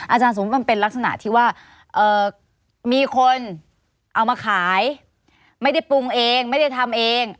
สมมุติมันเป็นลักษณะที่ว่ามีคนเอามาขายไม่ได้ปรุงเองไม่ได้ทำเอง